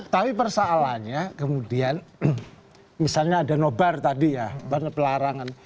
tapi persoalannya kemudian misalnya ada nobar tadi ya pelarangan